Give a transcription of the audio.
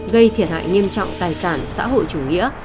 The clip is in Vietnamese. gây thiệt hại nghiêm trọng tài sản xã hội chủ nghĩa